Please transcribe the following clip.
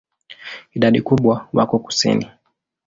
Idadi kubwa wako kusini.